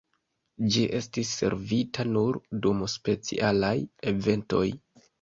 Ĝi estis servita nur dum specialaj eventoj.